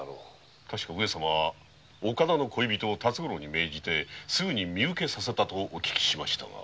確か上様は岡田の恋人を辰五郎に命じてすぐに身うけさせたとお聞きしましたが。